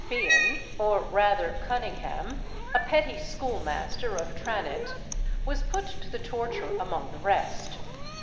Fian, or rather Cunningham, a petty schoolmaster of Tranent, was put to the torture among the rest.